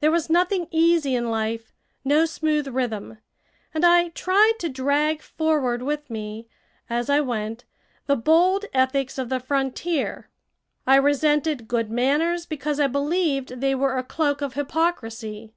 There was nothing easy in life, no smooth rhythm. And I tried to drag forward with me, as I went, the bold ethics of the frontier. I resented good manners because I believed they were a cloak of hypocrisy.